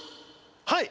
はい！